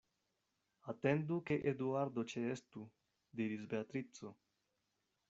Atendu, ke Eduardo ĉeestu, diris Beatrico.